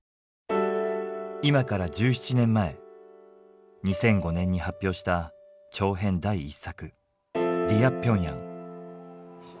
今から１７年前２００５年に発表した長編第１作「ディア・ピョンヤン」。